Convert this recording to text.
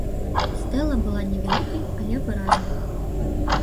Стэла была невялікай, але выразнай.